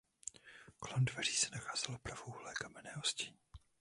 Kolem dveří se nacházelo pravoúhlé kamenné ostění.